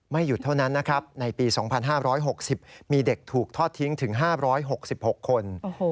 หยุดเท่านั้นนะครับในปี๒๕๖๐มีเด็กถูกทอดทิ้งถึง๕๖๖คน